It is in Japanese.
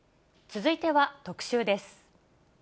続いては特集です。